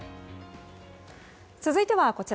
続いては、こちら。